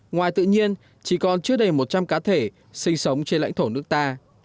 ngoài tự nhiên chỉ còn trước đây một trăm linh cá thể sinh sống trên lãnh thổ nước ta